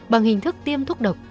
bằng hình thức tiêm thuốc độc